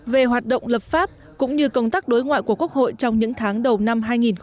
về hoạt động lập pháp cũng như công tác đối ngoại của quốc hội trong những tháng đầu năm hai nghìn hai mươi